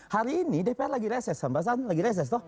hari ini dpr lagi reses tambahan lagi reses